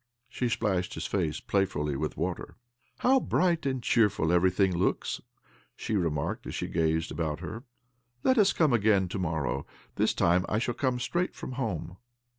She splashed his face playfully with water. " How bright and cheerful everything looks !" she remarked as she gazed about her. " Let us come again to morrow. This time I shall come straight from home."